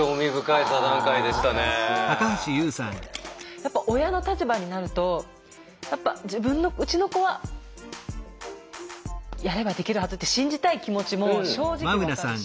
やっぱ親の立場になると自分のうちの子はやればできるはずって信じたい気持ちも正直分かるし。